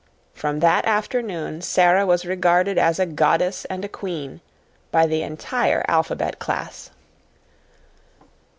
From that afternoon Sara was regarded as a goddess and a queen by the entire alphabet class.